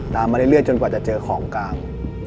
มาเรื่อยจนกว่าจะเจอของกลาง